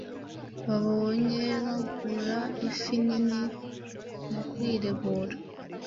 babonye bagura ifi nini. Mu kwiregura,